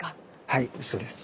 はいそうです。